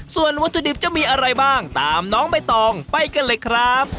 ส่วนวัตถุดิบจะมีอะไรบ้างตามน้องใบตองไปกันเลยครับ